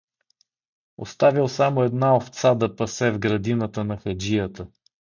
Оставил само една овца да пасе в градината на хаджията.